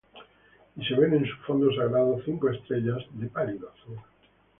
Y se ven en su fondo sagrado cinco estrellas de pálido azul;